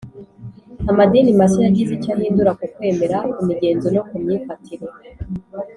amadini mashya yagize icyo ahindura ku kwemera, ku migenzo no ku myifatire